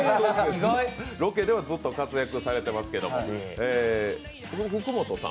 ロケではずっと活躍されてますけど。